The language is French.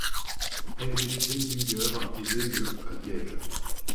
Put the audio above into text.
Heinrich Denzinger est né le à Liège.